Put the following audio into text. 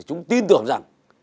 chúng tin tưởng rằng